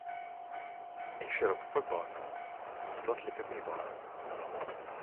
Ik sil op fuotbaljen, dat liket my wol wat.